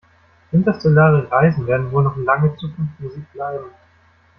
Interstellare Reisen werden wohl noch lange Zukunftsmusik bleiben.